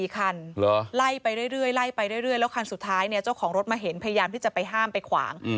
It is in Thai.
คันไล่ไปเรื่อยไล่ไปเรื่อยแล้วคันสุดท้ายเนี่ยเจ้าของรถมาเห็นพยายามที่จะไปห้ามไปขวาง